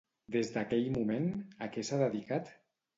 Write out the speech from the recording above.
Des d'aquell moment, a què s'ha dedicat?